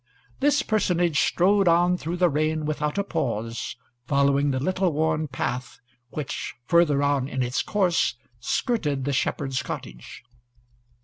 This personage strode on through the rain without a pause, following the little worn path which, farther on in its course, skirted the shepherd's cottage.